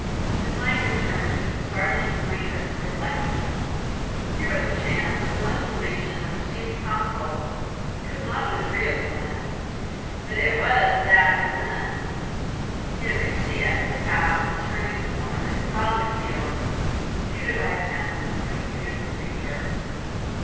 His mind returned to the starting point of his reflections. Here was a chance, the one solution which seemed possible; it was not an agreeable one, but it was that or none. He had reached the end of the path and turning the corner saw Lucile seated by the fountain. It was a beautiful picture.